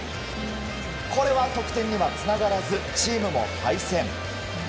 これは得点にはつながらずチームも敗戦。